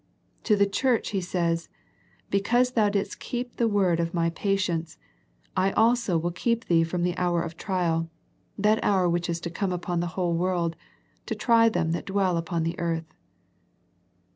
To the church He says " Because thou didst keep the word of My patience, I also will keep thee from the hour of trial, that hour which is to come upon the whole world, to try them that dwell upon the earth."